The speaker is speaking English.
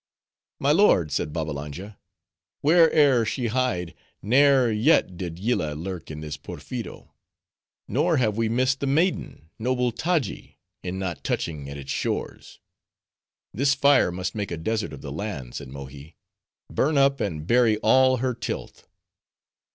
"My lord," said Babbalanja, "where'ere she hide, ne'er yet did Yillah lurk in this Porpheero; nor have we missed the maiden, noble Taji! in not touching at its shores." "This fire must make a desert of the land," said Mohi; "burn up and bury all her tilth."